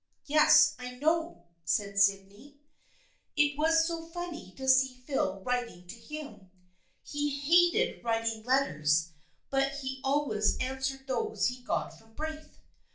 '" Yes, I know," said Sydney. " It was so funny to see Phil writing to him. He hated writing let 291 292 THE FRIENDSHIP OF ANNE ters but he always answered those he got from Braith.